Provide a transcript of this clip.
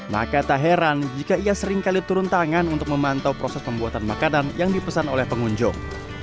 maka tak heran jika ia seringkali turun tangan untuk memantau proses pembuatan makanan yang dipesan oleh pengunjung